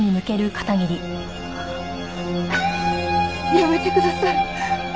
やめてください。